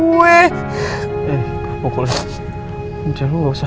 gue bakal udah mengerjakan